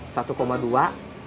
satu koma dua